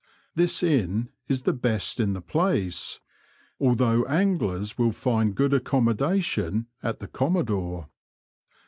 This inn is the best in the place, although anglers will find good accommodation at the Commodore.